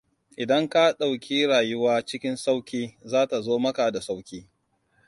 Idan ka ɗauki rayuwa cikin sauƙi za ta zo maka da sauƙi.